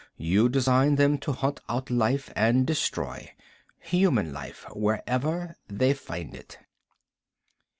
"You designed them to hunt out life and destroy. Human life. Wherever they find it."